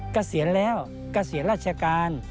เกษียณแล้วเกษียณราชการ